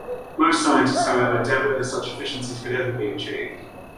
Most scientists, however, doubt whether such efficiencies could ever be achieved.